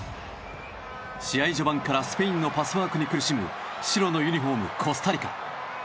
試合序盤からスペインのパスワークに苦しむ白のユニホーム、コスタリカ。